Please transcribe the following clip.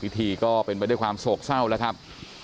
พิธีก็เป็นไปด้วยความโศกเศร้าแล้วครับ